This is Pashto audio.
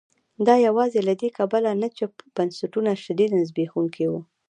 دا یوازې له دې کبله نه چې بنسټونه شدیداً زبېښونکي وو.